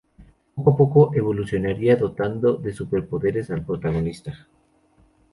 Poco a poco evolucionaría dotando de superpoderes al protagonista.